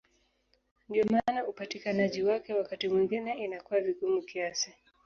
Ndiyo maana upatikanaji wake wakati mwingine inakuwa vigumu kiasi.